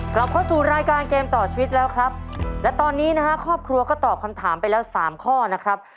กลับเข้าสู่รายการเกมต่อชีวิตแล้วครับและตอนนี้นะฮะครอบครัวก็ตอบคำถามไปแล้วสามข้อนะครับ